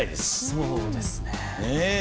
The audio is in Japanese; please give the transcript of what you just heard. そうですね。